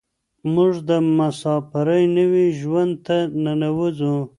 موږ د مساپرۍ نوي ژوند ته ننوځو.